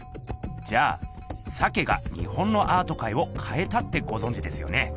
じゃあ鮭が日本のアートかいを変えたってごぞんじですよね？